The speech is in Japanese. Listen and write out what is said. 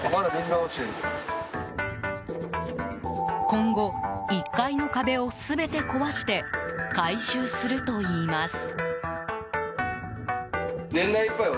今後、１階の壁を全て壊して改修するといいます。